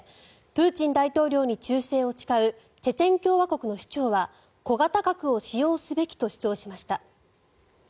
プーチン大統領に忠誠を誓うチェチェン共和国の首長は小型核を使用すべきと主張しました。